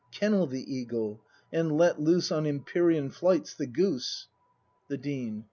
Kennel the eagle; — and let loose On empyrean flights the goose! The Dean.